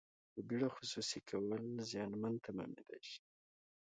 په بیړه خصوصي کول زیانمن تمامیدای شي.